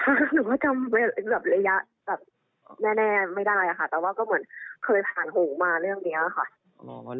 แต่ว่าเหมือนเคยผ่านโถม่าเรื่องนี้ค่ะ